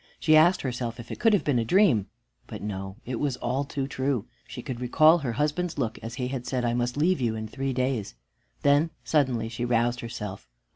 She asked herself if it could have been a dream, but no, it was all too true. She could recall her husband's look as he had said, "I must leave you in three days." Then suddenly she roused herself.